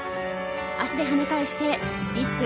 足で跳ね返してリスク。